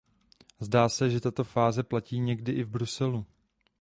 Zdá se, že tato fráze platí někdy i v Bruselu.